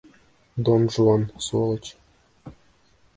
Дон Жуан, сволочь!